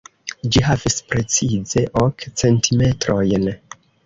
Ĝi havis precize ok centimetrojn!